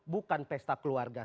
bukan pesta keluarga